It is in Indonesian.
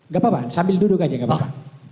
gak apa apa sambil duduk aja gak apa apa